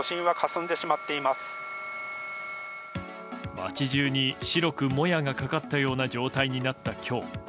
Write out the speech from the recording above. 街中に、白くもやがかかったような状態になった今日。